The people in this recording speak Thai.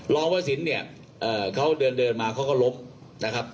รองพระศิลป์เนี่ยเอ่อเขาเดินเดินมาเขาก็ล้มนะครับ